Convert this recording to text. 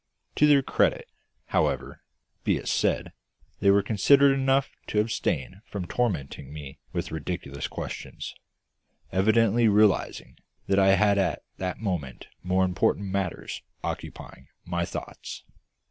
To their credit, however, be it said, they were considerate enough to abstain from tormenting me with ridiculous questions, evidently realising that I had at that moment more important matters occupying my thoughts.